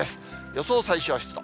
予想最小湿度。